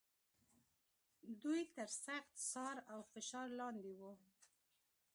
دوی تر سخت څار او فشار لاندې و.